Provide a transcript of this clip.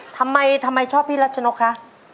ทำไมชอบพี่ลัดชนกคะ